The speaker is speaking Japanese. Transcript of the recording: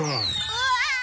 うわ！